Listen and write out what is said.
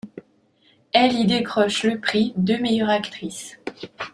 Elle y décroche le prix de meilleure actrice.